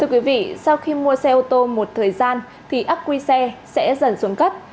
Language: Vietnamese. quý vị sau khi mua xe ô tô một thời gian thì ác quy xe sẽ dần xuống cấp